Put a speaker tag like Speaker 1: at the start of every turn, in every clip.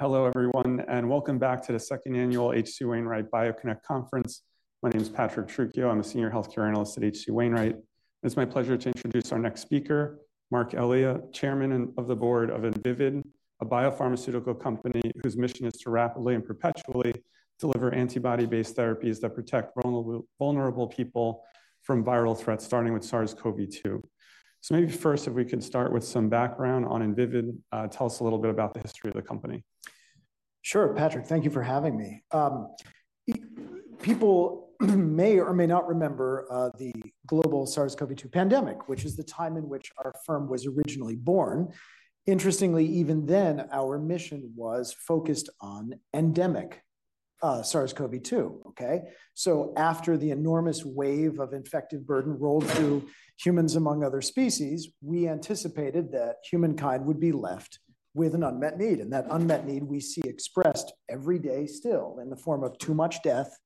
Speaker 1: Hello everyone, and welcome back to the second annual H.C. Wainwright BioConnect Conference. My name is Patrick Trucchio. I'm a senior healthcare analyst at H.C. Wainwright, and it's my pleasure to introduce our next speaker, Marc Elia, Chairman of the Board of Invivyd, a biopharmaceutical company whose mission is to rapidly and perpetually deliver antibody-based therapies that protect vulnerable, vulnerable people from viral threats, starting with SARS-CoV-2. So maybe first, if we could start with some background on Invivyd, tell us a little bit about the history of the company.
Speaker 2: Sure, Patrick, thank you for having me. People may or may not remember the global SARS-CoV-2 pandemic, which is the time in which our firm was originally born. Interestingly, even then, our mission was focused on endemic SARS-CoV-2, okay? So after the enormous wave of infected burden rolled through humans, among other species, we anticipated that humankind would be left with an unmet need, and that unmet need we see expressed every day still in the form of too much death,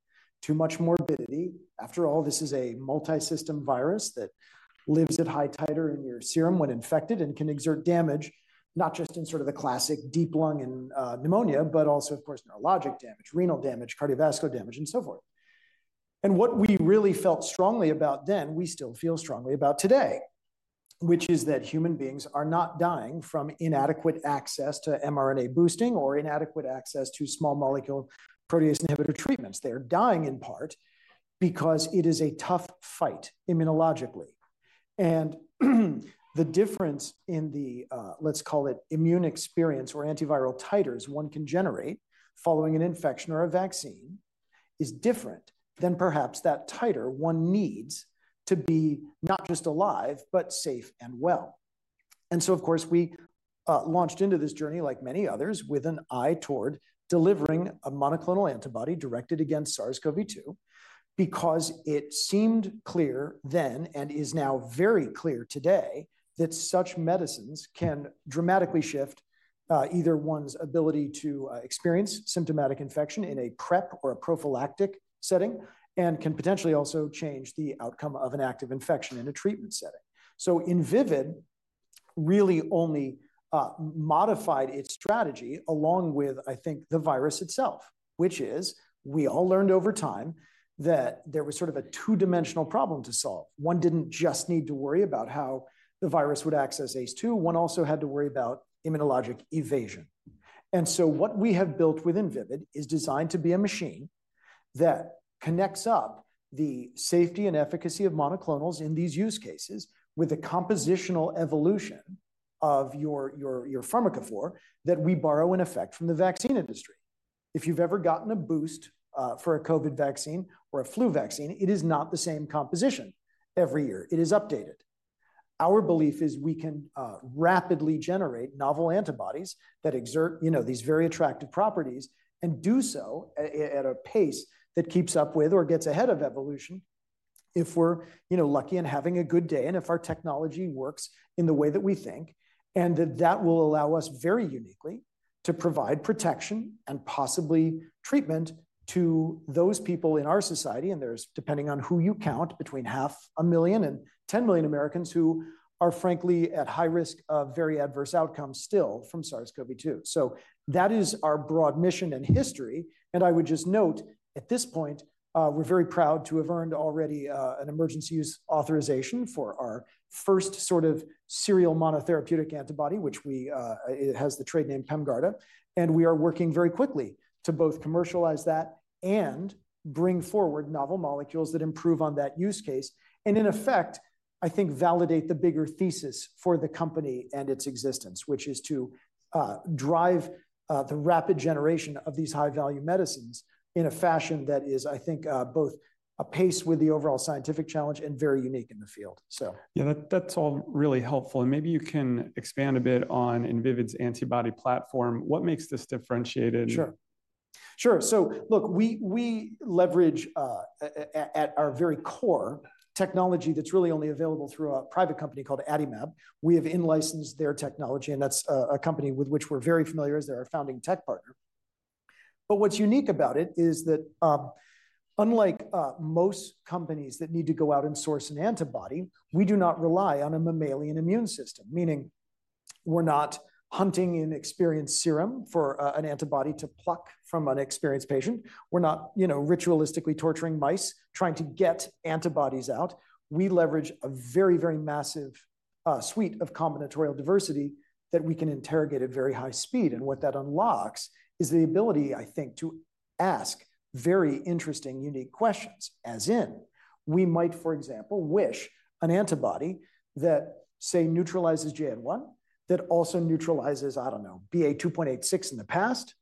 Speaker 2: too much morbidity. After all, this is a multisystem virus that lives at high titer in your serum when infected and can exert damage, not just in sort of the classic deep lung and pneumonia, but also, of course, neurologic damage, renal damage, cardiovascular damage, and so forth. What we really felt strongly about then, we still feel strongly about today, which is that human beings are not dying from inadequate access to mRNA boosting or inadequate access to small-molecule protease inhibitor treatments. They are dying in part because it is a tough fight immunologically. The difference in the, let's call it immune experience or antiviral titers one can generate following an infection or a vaccine is different than perhaps that titer one needs to be not just alive, but safe and well. And so, of course, we, launched into this journey, like many others, with an eye toward delivering a monoclonal antibody directed against SARS-CoV-2, because it seemed clear then, and is now very clear today, that such medicines can dramatically shift, either one's ability to, experience symptomatic infection in a PrEP or a prophylactic setting, and can potentially also change the outcome of an active infection in a treatment setting. So Invivyd really only, modified its strategy, along with, I think, the virus itself, which is we all learned over time that there was sort of a two-dimensional problem to solve. One didn't just need to worry about how the virus would access ACE2, one also had to worry about immunologic evasion. And so what we have built with Invivyd is designed to be a machine that connects up the safety and efficacy of monoclonals in these use cases with a compositional evolution of your pharmacophore that we borrow, in effect, from the vaccine industry. If you've ever gotten a boost for a COVID vaccine or a flu vaccine, it is not the same composition every year. It is updated. Our belief is we can rapidly generate novel antibodies that exert, you know, these very attractive properties and do so at a pace that keeps up with or gets ahead of evolution if we're, you know, lucky and having a good day, and if our technology works in the way that we think, and that will allow us very uniquely to provide protection and possibly treatment to those people in our society, and there's, depending on who you count, between 500,000 and 10 million Americans who are frankly at high risk of very adverse outcomes still from SARS-CoV-2. So that is our broad mission and history, and I would just note, at this point, we're very proud to have earned already, an emergency use authorization for our first sort of serial monotherapeutic antibody, which we-- it has the trade name Pemgarda, and we are working very quickly to both commercialize that and bring forward novel molecules that improve on that use case, and in effect, I think, validate the bigger thesis for the company and its existence, which is to, drive, the rapid generation of these high-value medicines in a fashion that is, I think, both apace with the overall scientific challenge and very unique in the field, so.
Speaker 1: Yeah, that, that's all really helpful, and maybe you can expand a bit on Invivyd's antibody platform. What makes this differentiated?
Speaker 2: Sure. Sure, so look, we leverage at our very core technology that's really only available through a private company called Adimab. We have in-licensed their technology, and that's a company with which we're very familiar as they're our founding tech partner. But what's unique about it is that, unlike, most companies that need to go out and source an antibody, we do not rely on a mammalian immune system, meaning we're not hunting in experienced serum for an antibody to pluck from an experienced patient. We're not, you know, ritualistically torturing mice, trying to get antibodies out. We leverage a very, very massive suite of combinatorial diversity that we can interrogate at very high speed. What that unlocks is the ability, I think, to ask very interesting, unique questions, as in we might, for example, wish an antibody that, say, neutralizes JN.1, that also neutralizes, I don't know, BA.2.86 in the past,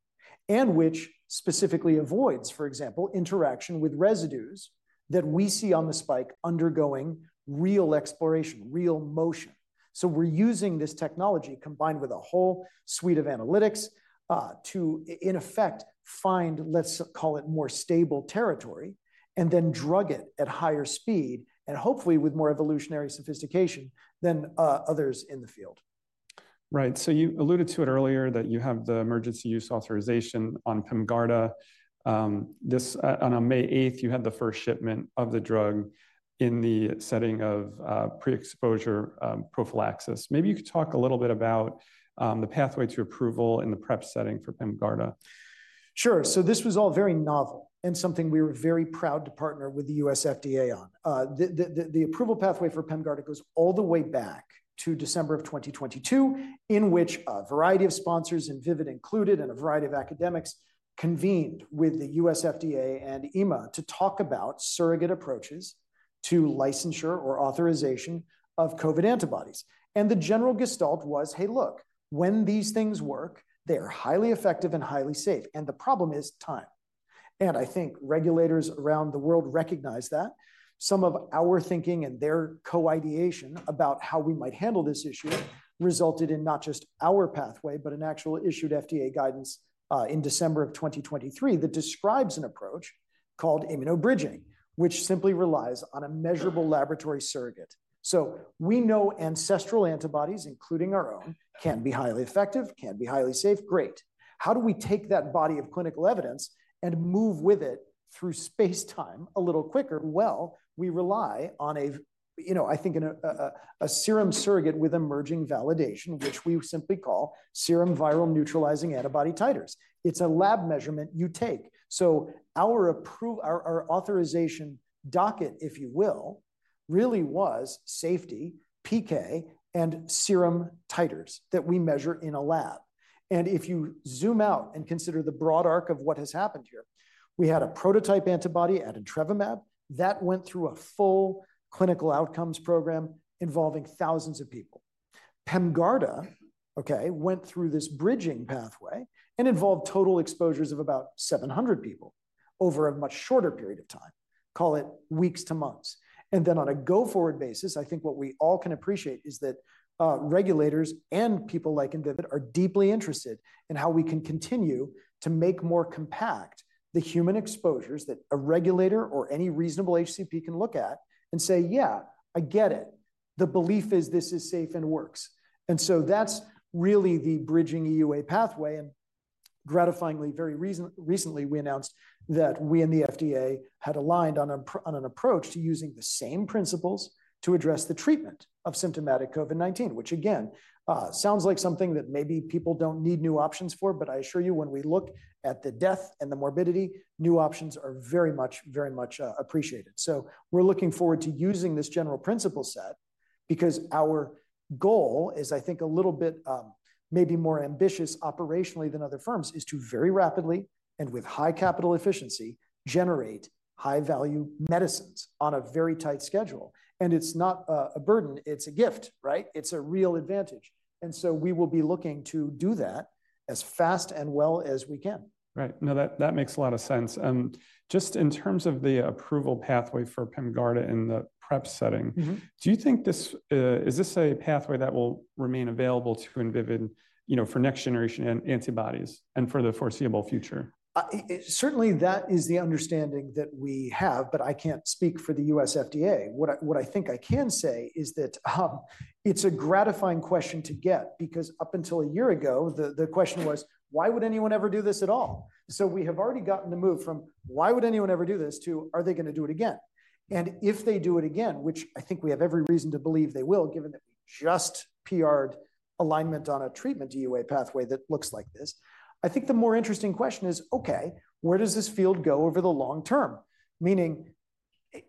Speaker 2: and which specifically avoids, for example, interaction with residues that we see on the spike undergoing real exploration, real motion. So we're using this technology, combined with a whole suite of analytics, to in effect, find, let's call it more stable territory, and then drug it at higher speed, and hopefully with more evolutionary sophistication than, others in the field. ...
Speaker 1: Right. So you alluded to it earlier that you have the emergency use authorization on Pemgarda. On May 8th, you had the first shipment of the drug in the setting of pre-exposure prophylaxis. Maybe you could talk a little bit about the pathway to approval in the prep setting for Pemgarda.
Speaker 2: Sure. So this was all very novel and something we were very proud to partner with the U.S. FDA on. The, the, the, the approval pathway for Pemgarda goes all the way back to December of 2022, in which a variety of sponsors, Invivyd included, and a variety of academics convened with the U.S. FDA and EMA to talk about surrogate approaches to licensure or authorization of COVID antibodies. And the general gestalt was, hey, look, when these things work, they are highly effective and highly safe, and the problem is time. And I think regulators around the world recognize that. Some of our thinking and their co-ideation about how we might handle this issue resulted in not just our pathway, but an actual issued FDA guidance, in December of 2023, that describes an approach called immunobridging, which simply relies on a measurable laboratory surrogate. So we know ancestral antibodies, including our own, can be highly effective, can be highly safe. Great! How do we take that body of clinical evidence and move with it through space-time a little quicker? Well, we rely on a, you know, I think, a serum surrogate with emerging validation, which we simply call serum viral neutralizing antibody titers. It's a lab measurement you take. So our authorization docket, if you will, really was safety, PK, and serum titers that we measure in a lab. And if you zoom out and consider the broad arc of what has happened here, we had a prototype antibody, adintrevimab, that went through a full clinical outcomes program involving thousands of people. Pemgarda, okay, went through this bridging pathway and involved total exposures of about 700 people over a much shorter period of time, call it weeks to months. And then on a go-forward basis, I think what we all can appreciate is that, regulators and people like Invivyd are deeply interested in how we can continue to make more compact the human exposures that a regulator or any reasonable HCP can look at and say: Yeah, I get it. The belief is this is safe and works. And so that's really the bridging EUA pathway, and gratifyingly, recently, we announced that we and the FDA had aligned on an approach to using the same principles to address the treatment of symptomatic COVID-19, which again, sounds like something that maybe people don't need new options for, but I assure you, when we look at the death and the morbidity, new options are very much, very much, appreciated. So we're looking forward to using this general principle set, because our goal is, I think, a little bit, maybe more ambitious operationally than other firms, is to very rapidly and with high capital efficiency, generate high-value medicines on a very tight schedule. And it's not a burden, it's a gift, right? It's a real advantage. And so we will be looking to do that as fast and well as we can.
Speaker 1: Right. No, that, that makes a lot of sense. Just in terms of the approval pathway for Pemgarda in the prep setting-
Speaker 2: Mm-hmm.
Speaker 1: Do you think this is a pathway that will remain available to Invivyd, you know, for next generation antibodies and for the foreseeable future?
Speaker 2: Certainly, that is the understanding that we have, but I can't speak for the U.S. FDA. What I think I can say is that, it's a gratifying question to get, because up until a year ago, the question was: Why would anyone ever do this at all? So we have already gotten the move from, why would anyone ever do this, to, are they gonna do it again? And if they do it again, which I think we have every reason to believe they will, given that we just PR'd alignment on a treatment EUA pathway that looks like this, I think the more interesting question is: Okay, where does this field go over the long term? Meaning,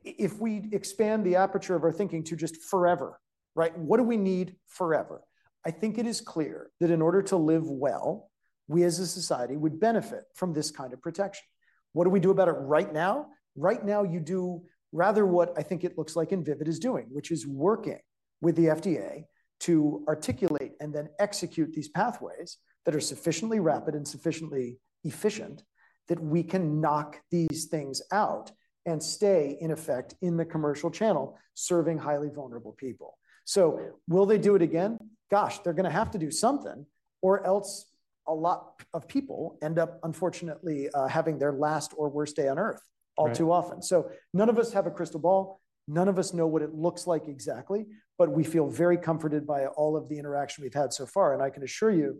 Speaker 2: if we expand the aperture of our thinking to just forever, right, what do we need forever? I think it is clear that in order to live well, we, as a society, would benefit from this kind of protection. What do we do about it right now? Right now, you do rather what I think it looks like Invivyd is doing, which is working with the FDA to articulate and then execute these pathways that are sufficiently rapid and sufficiently efficient, that we can knock these things out and stay in effect in the commercial channel, serving highly vulnerable people. So will they do it again? Gosh, they're gonna have to do something, or else a lot of people end up, unfortunately, having their last or worst day on Earth-
Speaker 1: Right...
Speaker 2: all too often. So none of us have a crystal ball, none of us know what it looks like exactly, but we feel very comforted by all of the interaction we've had so far, and I can assure you,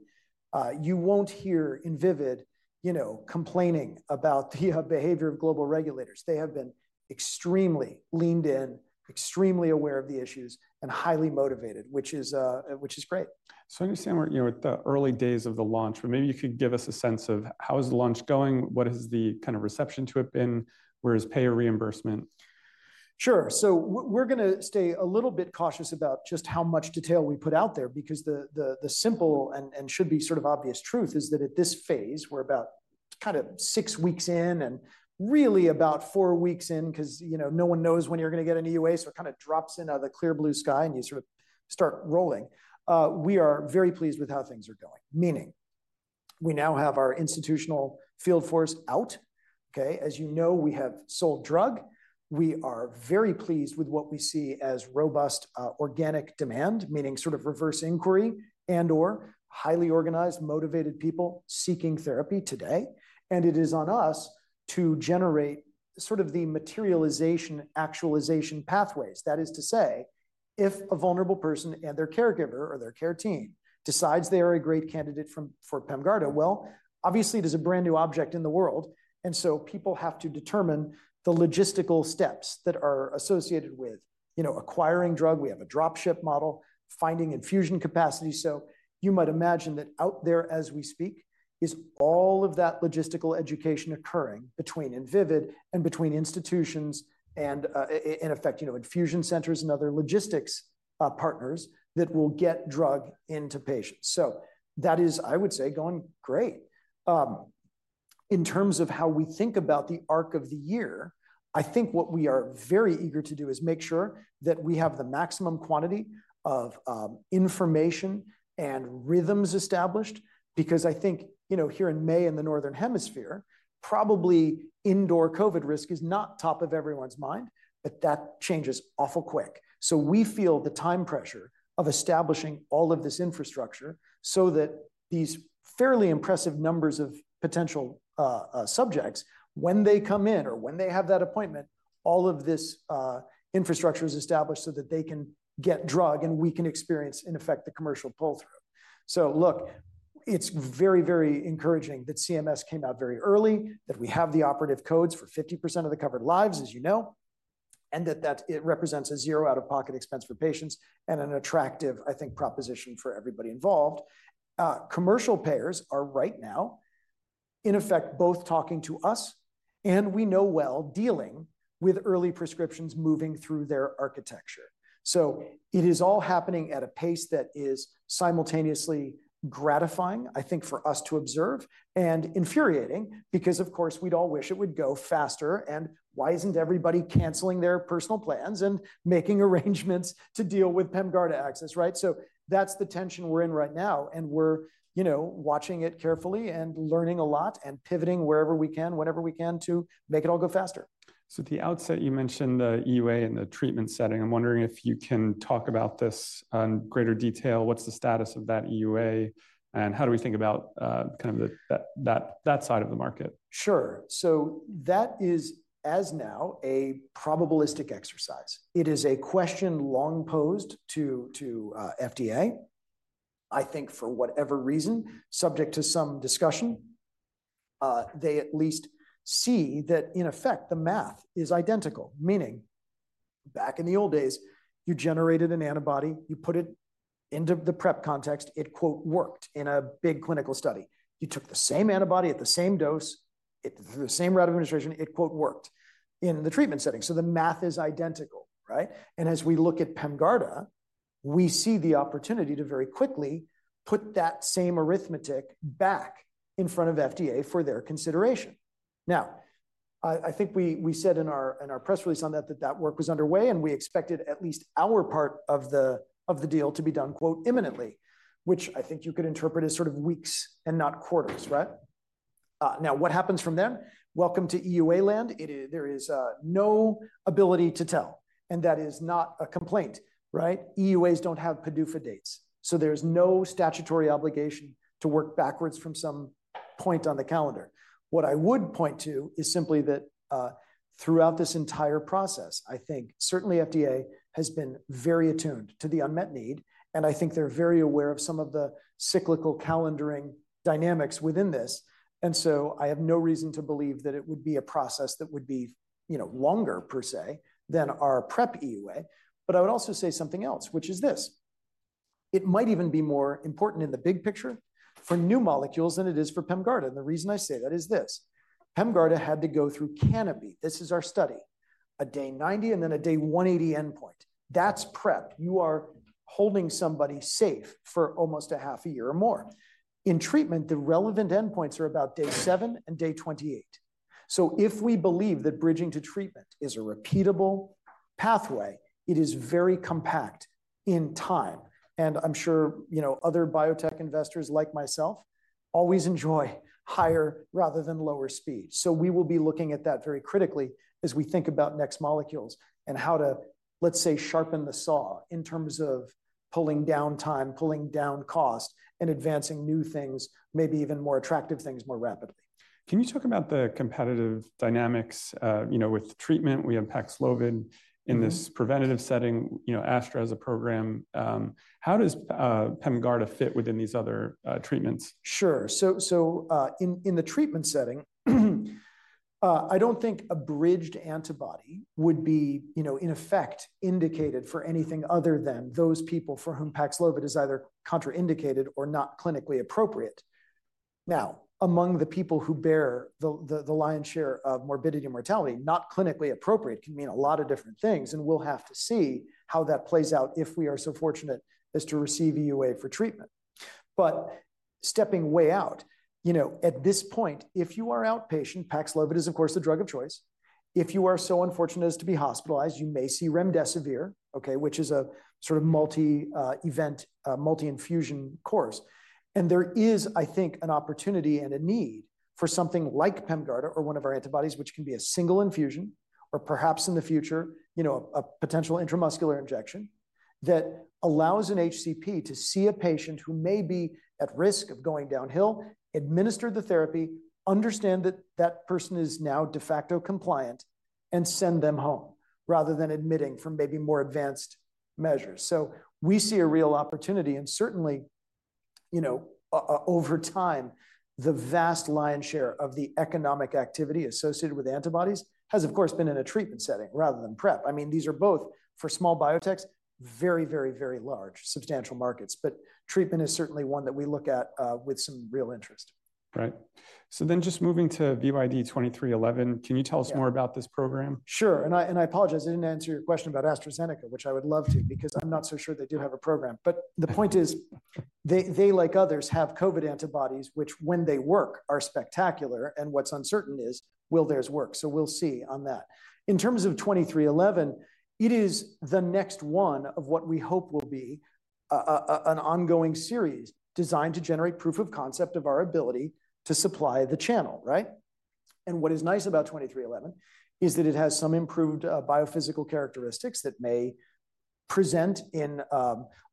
Speaker 2: you won't hear Invivyd, you know, complaining about the behavior of global regulators. They have been extremely leaned in, extremely aware of the issues, and highly motivated, which is great.
Speaker 1: So I understand we're, you know, at the early days of the launch, but maybe you could give us a sense of how is the launch going, what has the kind of reception to it been, where is payer reimbursement?
Speaker 2: Sure. So we're gonna stay a little bit cautious about just how much detail we put out there, because the simple and should be sort of obvious truth is that at this phase, we're about kind of six weeks in, and really about four weeks in, 'cause, you know, no one knows when you're gonna get an EUA, so it kinda drops in out of the clear blue sky, and you sort of start rolling. We are very pleased with how things are going, meaning we now have our institutional field force out. Okay, as you know, we have sold drug. We are very pleased with what we see as robust organic demand, meaning sort of reverse inquiry and/or highly organized, motivated people seeking therapy today, and it is on us to generate sort of the materialization, actualization pathways. That is to say, if a vulnerable person and their caregiver or their care team decides they are a great candidate for Pemgarda, well, obviously, it is a brand-new object in the world, and so people have to determine the logistical steps that are associated with, you know, acquiring drug, we have a drop ship model, finding infusion capacity. So you might imagine that out there as we speak, is all of that logistical education occurring between Invivyd and between institutions and, in effect, you know, infusion centers and other logistics partners that will get drug into patients. So that is, I would say, going great. In terms of how we think about the arc of the year, I think what we are very eager to do is make sure that we have the maximum quantity of information and rhythms established, because I think, you know, here in May, in the Northern Hemisphere, probably indoor COVID risk is not top of everyone's mind, but that changes awful quick. So we feel the time pressure of establishing all of this infrastructure so that these fairly impressive numbers of potential subjects, when they come in or when they have that appointment, all of this infrastructure is established so that they can get drug, and we can experience, in effect, the commercial pull-through. So look, it's very, very encouraging that CMS came out very early, that we have the HCPCS codes for 50% of the covered lives, as you know, and that, that it represents a zero out-of-pocket expense for patients and an attractive, I think, proposition for everybody involved. Commercial payers are right now, in effect, both talking to us and we know well dealing with early prescriptions moving through their architecture. So it is all happening at a pace that is simultaneously gratifying, I think, for us to observe, and infuriating, because, of course, we'd all wish it would go faster, and why isn't everybody canceling their personal plans and making arrangements to deal with Pemgarda access, right? So that's the tension we're in right now, and we're, you know, watching it carefully and learning a lot and pivoting wherever we can, whenever we can to make it all go faster.
Speaker 1: So at the outset, you mentioned the EUA and the treatment setting. I'm wondering if you can talk about this in greater detail. What's the status of that EUA, and how do we think about, kind of the side of the market?
Speaker 2: Sure. So that is, as now, a probabilistic exercise. It is a question long posed to FDA. I think for whatever reason, subject to some discussion, they at least see that in effect, the math is identical, meaning back in the old days, you generated an antibody, you put it into the PrEP context, it, quote, "worked" in a big clinical study. You took the same antibody at the same dose, it, the same route of administration, it, quote, "worked" in the treatment setting. So the math is identical, right? And as we look at Pemgarda, we see the opportunity to very quickly put that same arithmetic back in front of FDA for their consideration. Now, I think we said in our press release on that, that work was underway, and we expected at least our part of the deal to be done, quote, "imminently," which I think you could interpret as sort of weeks and not quarters, right? Now, what happens from then? Welcome to EUA land. There is no ability to tell, and that is not a complaint, right? EUAs don't have PDUFA dates, so there's no statutory obligation to work backwards from some point on the calendar. What I would point to is simply that, throughout this entire process, I think certainly FDA has been very attuned to the unmet need, and I think they're very aware of some of the cyclical calendaring dynamics within this. And so I have no reason to believe that it would be a process that would be, you know, longer per se, than our PrEP EUA. But I would also say something else, which is this: It might even be more important in the big picture for new molecules than it is for Pemgarda, and the reason I say that is this: Pemgarda had to go through CANOPY. This is our study, a day 90 and then a day 180 endpoint. That's PrEP. You are holding somebody safe for almost a half a year or more. In treatment, the relevant endpoints are about day 7 and day 28. So if we believe that bridging to treatment is a repeatable pathway, it is very compact in time. And I'm sure, you know, other biotech investors like myself always enjoy higher rather than lower speed. We will be looking at that very critically as we think about next molecules and how to, let's say, sharpen the saw in terms of pulling down time, pulling down cost, and advancing new things, maybe even more attractive things, more rapidly.
Speaker 1: Can you talk about the competitive dynamics, you know, with treatment, we have Paxlovid in this preventative setting, you know, Astra has a program, how does Pemgarda fit within these other treatments?
Speaker 2: Sure. So, in the treatment setting, I don't think a bridged antibody would be, you know, in effect, indicated for anything other than those people for whom Paxlovid is either contraindicated or not clinically appropriate. Now, among the people who bear the lion's share of morbidity and mortality, not clinically appropriate can mean a lot of different things, and we'll have to see how that plays out if we are so fortunate as to receive EUA for treatment. But stepping way out, you know, at this point, if you are outpatient, Paxlovid is, of course, the drug of choice. If you are so unfortunate as to be hospitalized, you may see remdesivir, okay, which is a sort of multi-event, multi-infusion course. And there is, I think, an opportunity and a need for something like Pemgarda or one of our antibodies, which can be a single infusion or perhaps in the future, you know, a potential intramuscular injection, that allows an HCP to see a patient who may be at risk of going downhill, administer the therapy, understand that that person is now de facto compliant, and send them home, rather than admitting for maybe more advanced measures. So we see a real opportunity, and certainly, you know, over time, the vast lion's share of the economic activity associated with antibodies has, of course, been in a treatment setting rather than prep. I mean, these are both, for small biotechs, very, very, very large, substantial markets. But treatment is certainly one that we look at with some real interest.
Speaker 1: Right. So then just moving to VYD2311, can you tell us more about this program?
Speaker 2: Sure. And I apologize, I didn't answer your question about AstraZeneca, which I would love to, because I'm not so sure they do have a program. But the point is, they, like others, have COVID antibodies, which, when they work, are spectacular, and what's uncertain is, will theirs work? So we'll see on that. In terms of VYD2311, it is the next one of what we hope will be an ongoing series designed to generate proof of concept of our ability to supply the channel, right? And what is nice about VYD2311 is that it has some improved biophysical characteristics that may present in,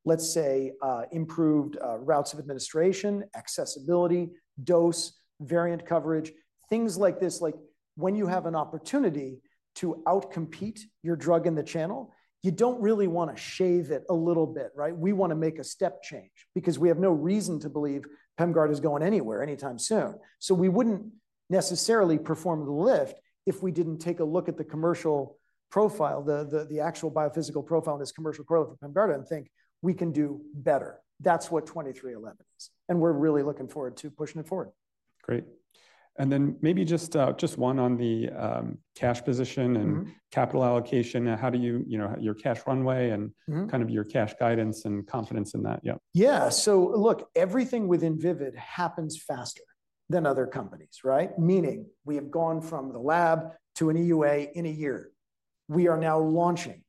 Speaker 2: let's say, improved routes of administration, accessibility, dose, variant coverage, things like this. Like, when you have an opportunity to outcompete your drug in the channel, you don't really want to shave it a little bit, right? We want to make a step change, because we have no reason to believe Pemgarda is going anywhere anytime soon. So we wouldn't necessarily perform the lift if we didn't take a look at the commercial profile, the actual biophysical profile and its commercial profile for Pemgarda and think, We can do better. That's what twenty-three eleven is, and we're really looking forward to pushing it forward.
Speaker 1: Great. And then maybe just, just one on the cash position-
Speaker 2: Mm-hmm.
Speaker 1: and capital allocation. How do you, you know, your cash runway and-
Speaker 2: Mm-hmm.
Speaker 1: kind of your cash guidance and confidence in that? Yeah.
Speaker 2: Yeah. So look, everything within Invivyd happens faster than other companies, right? Meaning we have gone from the lab to an EUA in a year. We are now launching.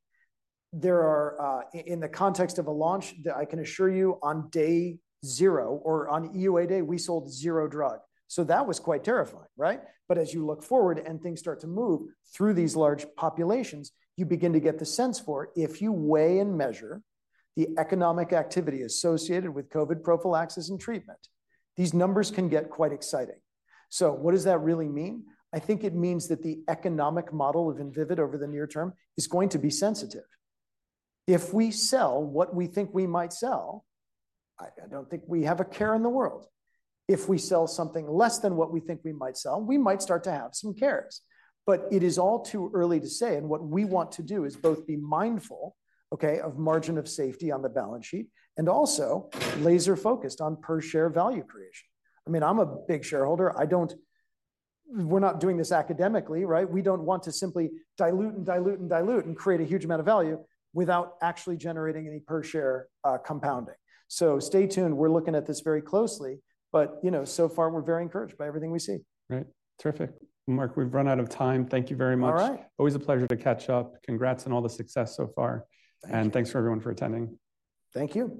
Speaker 2: There are in the context of a launch, that I can assure you, on day zero or on EUA day, we sold zero drug. So that was quite terrifying, right? But as you look forward and things start to move through these large populations, you begin to get the sense for it. If you weigh and measure the economic activity associated with COVID prophylaxis and treatment, these numbers can get quite exciting. So what does that really mean? I think it means that the economic model of Invivyd over the near term is going to be sensitive. If we sell what we think we might sell, I don't think we have a care in the world. If we sell something less than what we think we might sell, we might start to have some cares. But it is all too early to say, and what we want to do is both be mindful, okay, of margin of safety on the balance sheet, and also laser focused on per share value creation. I mean, I'm a big shareholder. I don't. We're not doing this academically, right? We don't want to simply dilute and dilute and dilute and create a huge amount of value without actually generating any per share compounding. So stay tuned. We're looking at this very closely, but, you know, so far, we're very encouraged by everything we see.
Speaker 1: Great. Terrific. Mark, we've run out of time. Thank you very much.
Speaker 2: All right.
Speaker 1: Always a pleasure to catch up. Congrats on all the success so far.
Speaker 2: Thank you.
Speaker 1: Thanks for everyone for attending.
Speaker 2: Thank you.